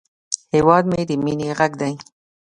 هیواد مې د مینې غږ دی